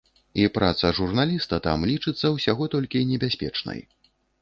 І праца журналіста там лічыцца ўсяго толькі небяспечнай.